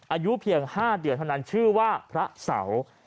อายุเพียง๕เดือนเท่านั้นชื่อว่าพระเสา